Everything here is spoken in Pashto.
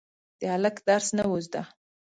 د هلک درس نه و زده.